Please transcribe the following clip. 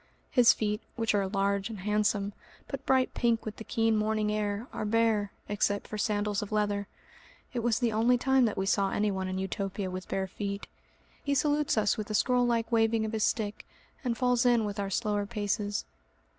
His feet, which are large and handsome, but bright pink with the keen morning air, are bare, except for sandals of leather. (It was the only time that we saw anyone in Utopia with bare feet.) He salutes us with a scroll like waving of his stick, and falls in with our slower paces.